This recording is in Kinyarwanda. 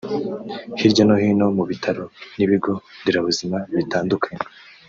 Hirya no hino mu bitaro n’ibigo nderabuzima bitandukanye